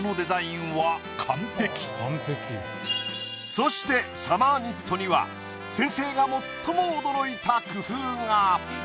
そしてサマーニットには先生が最も驚いた工夫が。